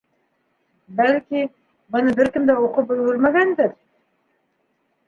Бәлки, быны бер кем дә уҡып өлгөрмәгәндер?